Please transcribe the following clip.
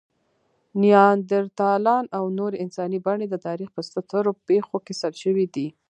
نیاندرتالان او نورې انساني بڼې د تاریخ په سترو پېښو کې ثبت شوي دي.